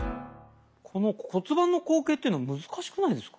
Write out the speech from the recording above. この骨盤の後傾っていうの難しくないですか？